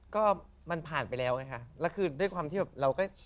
ก็มันผ่านไปแล้วไงค่ะแล้วคือด้วยความที่แบบเราก็